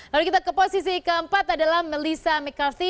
lalu kita ke posisi keempat adalah melissa mccarthy